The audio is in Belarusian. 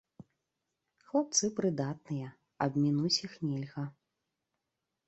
Хлапцы прыдатныя, абмінуць іх нельга.